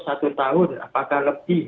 satu tahun apakah lebih